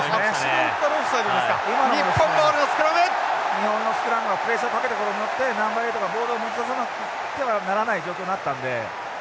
日本のスクラムがプレッシャーをかけたことによってナンバー８がボールを持ち出さなくてはならない状況になったので。